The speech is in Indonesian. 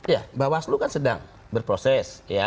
ya bawaslu kan sedang berproses